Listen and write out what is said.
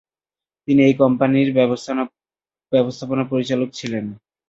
তিনি এই কোম্পানির ব্যবস্থাপনা পরিচালক ছিলেন।